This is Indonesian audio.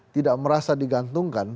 tidak merasa digantungkan